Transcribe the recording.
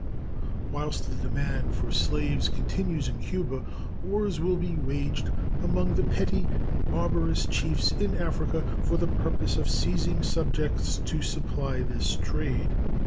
Whilst the demand for slaves continues in Cuba wars will be waged among the petty and barbarous chiefs in Africa for the purpose of seizing subjects to supply this trade.